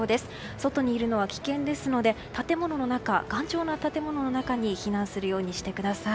外にいるのは危険ですので頑丈な建物の中に避難するようにしてください。